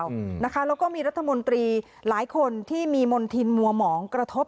แล้วก็มีรัฐมนตรีหลายคนที่มีมณฑินมัวหมองกระทบ